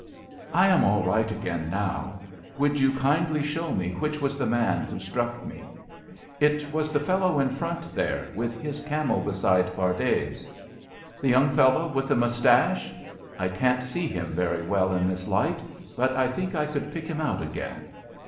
"I am all right again, now. Would you kindly show me which was the man who struck me?" "It was the fellow in front there with his camel beside Fardet's." "The young fellow with the moustache I can't see him very well in this light, but I think I could pick him out again.